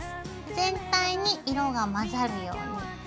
全体に色が混ざるように。